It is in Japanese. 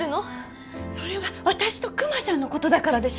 それは私とクマさんのことだからでしょ？